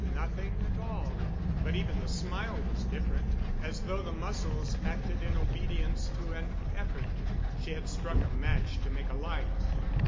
"Nothing at all." But even the smile was different, as though the muscles acted in obedience to an effort. She had struck a match to make a light.